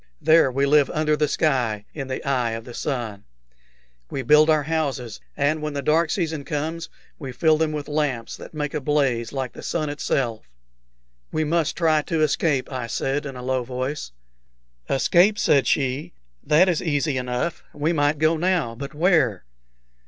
There we live under the sky, in the eye of the sun. We build our houses, and when the dark season comes we fill them with lamps that make a blaze like the sun itself." "We must try to escape," I said, in a low voice. "Escape!" said she. "That is easy enough. We might go now; but where?"